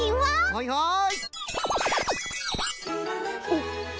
はいはい。